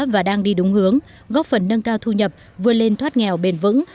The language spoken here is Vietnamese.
và đang đi đúng hướng góp phần nâng cao thu nhập vươn lên thoát nghèo bền vững